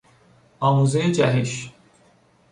آموزهی جهش